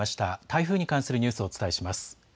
台風に関するニュースをお伝えします。